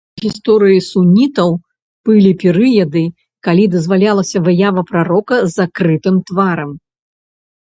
У гісторыі сунітаў былі перыяды, калі дазвалялася выява прарока з закрытым тварам.